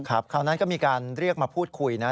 คราวนั้นก็มีการเรียกมาพูดคุยนะ